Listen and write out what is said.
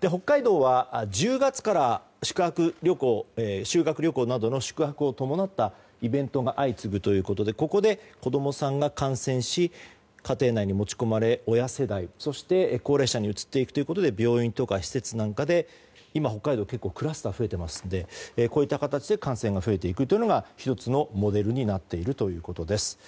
北海道は１０月から修学旅行などの宿泊を伴ったイベントが相次ぐということでここで子供さんが感染し家庭内に持ち込まれ親世代そして、高齢者にうつっていくということで病院とか施設なんかで今、北海道は結構クラスターが増えていますのでこういった形で感染が増えていくというのが１つのモデルになっているということです。